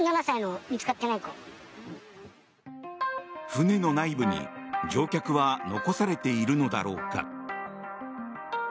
船の内部に乗客は残されているのだろうか。